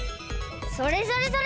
それそれそれ！